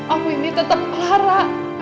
aku ini tetap clara